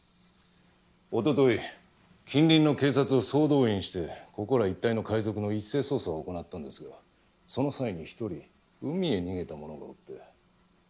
おととい近隣の警察を総動員してここら一体の海賊の一斉捜査を行ったんですがその際に１人海へ逃げた者がおって。